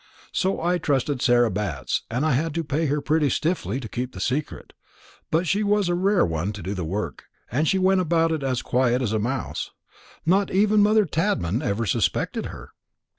So I trusted Sarah Batts, and I had to pay her pretty stiffly to keep the secret; but she was a rare one to do the work, and she went about it as quiet as a mouse. Not even mother Tadman ever suspected her."